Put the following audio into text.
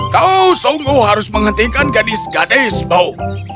kau sungguh harus menghentikan gadis gadis bu